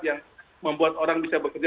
yang membuat orang bisa bekerja